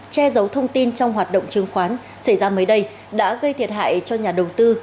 che giấu thông tin trong hoạt động chứng khoán xảy ra mới đây đã gây thiệt hại cho nhà đầu tư